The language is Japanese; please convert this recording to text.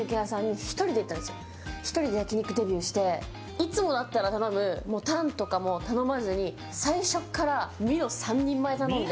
いつもだったら頼むタンとかも頼まずに最初からミノ３人前頼んで。